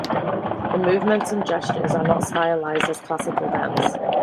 The movements and gestures are not as stylized as classical dance.